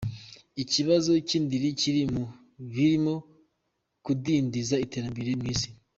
Ikibazo cy'indili kiri mu birimo kudindiza iterambere mw'isi.